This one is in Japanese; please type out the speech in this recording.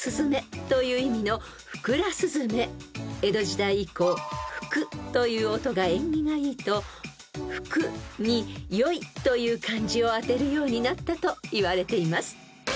［江戸時代以降「ふく」という音が縁起がいいと「福」に「良い」という漢字をあてるようになったといわれています］